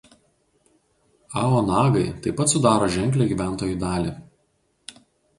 Ao nagai taip pat sudaro ženklią gyventojų dalį.